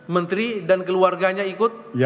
menteri dan keluarganya ikut